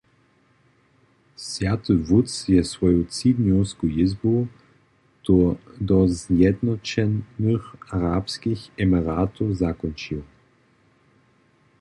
Swjaty wótc je swoju třidnjowsku jězbu do Zjednoćenych arabskich emiratow zakónčił.